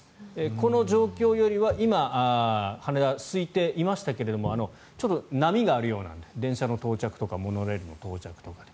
この状況よりは今羽田はすいていましたけれどちょっと波があるようなので電車の到着とかモノレールの到着とかで。